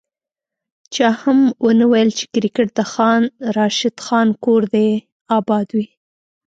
چا هم ونه ویل چي کرکیټ د خان راشد خان کور دي اباد وي